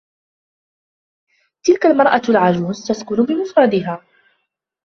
تلك المرأة العجوز تسكن بمفردها.